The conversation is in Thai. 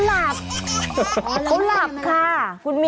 อ๋อแล้วพ่อมันล่ะ